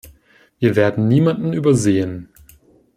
Wir werden niemanden übersehen.